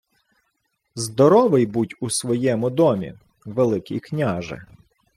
— Здоровий будь у своєму домі, Великий княже.